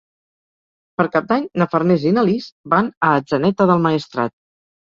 Per Cap d'Any na Farners i na Lis van a Atzeneta del Maestrat.